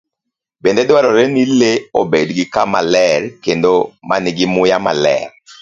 Bende dwarore ni le obed gi kama ler kendo ma nigi muya maler.